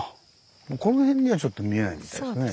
この辺にはちょっと見えないみたいですね。